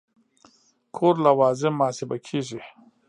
کور لوازم محاسبه کېږي.